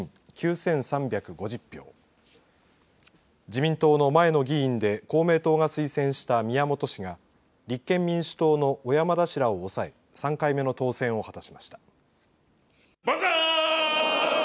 自民党の前の議員で公明党が推薦した宮本氏が立憲民主党の小山田氏らを抑え３回目の当選を果たしました。